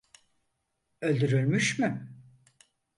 Öldürülmüş mü?